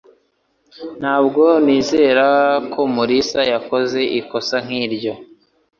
Ntabwo nizera ko Mulisa yakoze ikosa nk'iryo.